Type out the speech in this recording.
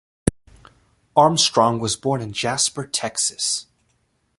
Armstrong was born in Jasper, Texas.